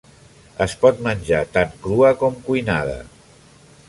Es pot menjar tant crua com cuinada.